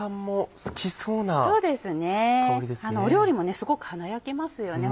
料理もねすごく華やぎますよね